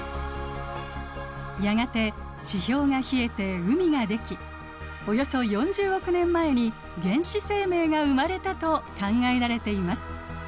やがて地表が冷えて海ができおよそ４０億年前に原始生命が生まれたと考えられています。